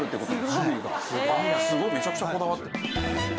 すごいめちゃくちゃこだわってる。